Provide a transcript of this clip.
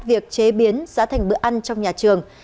việc chế biến giá thành bữa ăn trong nhà trường